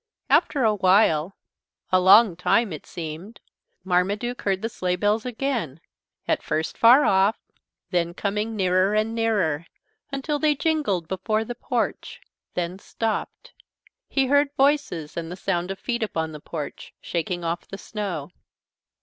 After a while a long time it seemed Marmaduke heard the sleigh bells again, at first far off, then coming nearer and nearer, until they jingled before the porch then stopped. He heard voices and the sound of feet upon the porch, shaking off the snow.